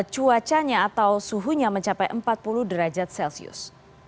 cuacanya atau suhunya mencapai empat puluh derajat celcius